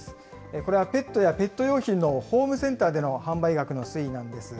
これはペットやペット用品のホームセンターでの販売額の推移なんです。